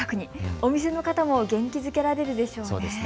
お店の方も元気づけられるでしょうね。